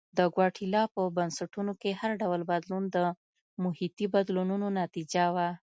د ګواتیلا په بنسټونو کې هر ډول بدلون د محیطي بدلونونو نتیجه وه.